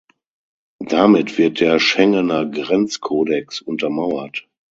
Damit wird der Schengener Grenzkodex untermauert.